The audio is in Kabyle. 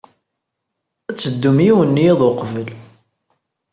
Ad teddum yiwen n yiḍ uqbel.